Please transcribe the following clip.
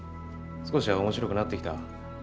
少しは面白くなってきた？